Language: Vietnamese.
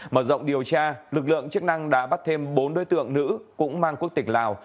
mở rộng điều tra lực lượng chức năng đã bắt thêm bốn đối tượng nữ cũng mang quốc tịch lào